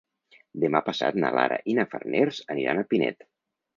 Demà passat na Lara i na Farners aniran a Pinet.